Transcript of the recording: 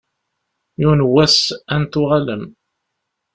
Yiwen n wass ad n-tuɣalem.